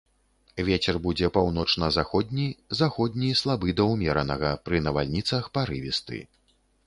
Вецер будзе паўночна-заходні, заходні слабы да ўмеранага, пры навальніцах парывісты.